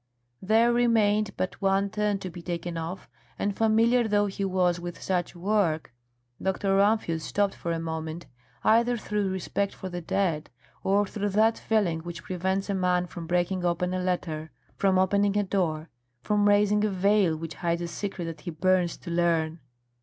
There remained but one turn to be taken off, and familiar though he was with such work, Dr. Rumphius stopped for a moment, either through respect for the dead, or through that feeling which prevents a man from breaking open a letter, from opening a door, from raising a veil which hides a secret that he burns to learn.